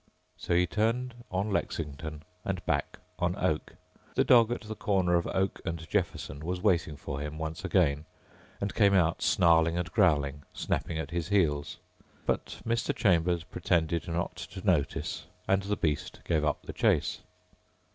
So he turned on Lexington and back on Oak. The dog at the corner of Oak and Jefferson was waiting for him once again and came out snarling and growling, snapping at his heels. But Mr. Chambers pretended not to notice and the beast gave up the chase.